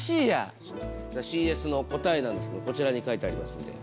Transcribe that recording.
さあＣＳの答えなんですけどこちらに書いてありますんで。